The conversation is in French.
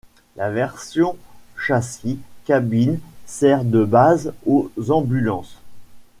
La version châssis cabine sert de base aux ambulances.